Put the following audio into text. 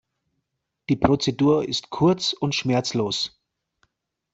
Die Prozedur ist kurz und schmerzlos.